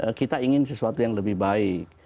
tapi ini kita ingin sesuatu yang lebih baik